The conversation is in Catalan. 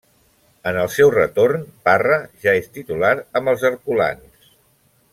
En el seu retorn, Parra ja és titular amb els herculans.